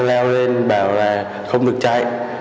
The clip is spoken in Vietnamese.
leo lên bảo là không được chạy